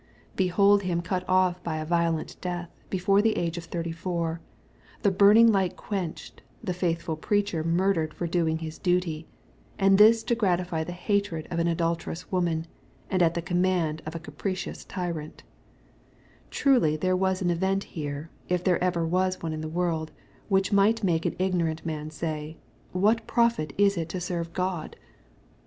Behold him cut off by a violent death, before the age of thirty four — the burning light quenched — the faithful preacher murdered for doing his duty,— and this to gratify the hatred of an adulterous woman, and at the command of a capricious tyrant 1 Truly there was an event here, if there ever was one in the world, which might make an ignorant man say, " What profit is it to serve God